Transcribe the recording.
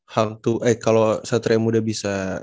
hang tua eh kalo satria muda bisa